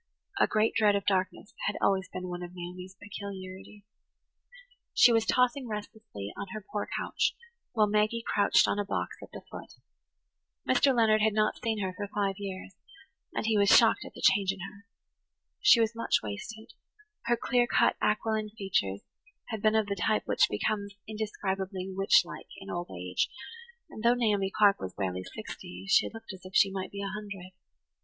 A great dread of darkness had always been one of Naomi's peculiarities. She was tossing restlessly on her poor couch, while Maggie crouched on a box at the foot. Mr. Leonard had not seen her for five years, and he [Page 105] was shocked at the change in her. She was much wasted; her clear cut, aquiline features had been of the type which becomes indescribably witch like in old age, and, though Naomi Clark was barely sixty, she looked as if she might be a hundred.